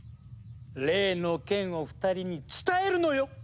例の件を２人に伝えるのよ！